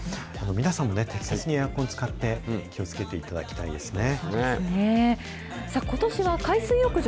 皆さんもね、適切にエアコン使って、気をつけていただきたいですね。